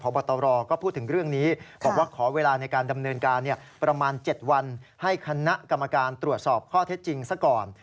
บตรก็พูดถึงเรื่องนี้บอกว่าขอเวลาในการดำเนินการประมาณ๗วันให้คณะกรรมการตรวจสอบข้อเท็จจริงซะก่อน